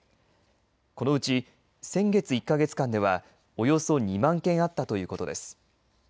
このうち先月１か月間ではおよそ２万件あったということです。